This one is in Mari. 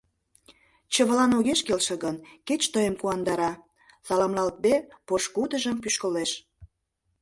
Чывылан огеш келше гын, кеч тыйым куандара, — саламлалтде, пошкудыжым пӱшкылеш.